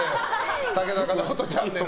竹中直人チャンネル。